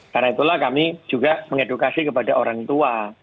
karena itulah kami juga mengedukasi kepada orang tua